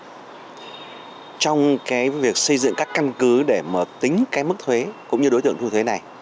trong việc xây dựng các căn cứ để tính mức thuế cũng như đối tượng thu thuế này